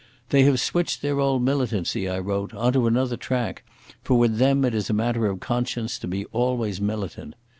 "They have switched their old militancy," I wrote, "on to another track, for with them it is a matter of conscience to be always militant."